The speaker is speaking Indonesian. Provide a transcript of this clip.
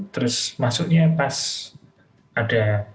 terus maksudnya pas ada